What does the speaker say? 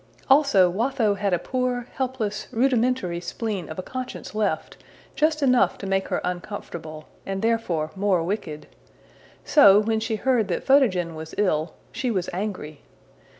Also, Watho had a poor, helpless, rudimentary spleen of a conscience left, just enough to make her uncomfortable, and therefore more wicked. So, when she heard that Photogen was ill, she was angry.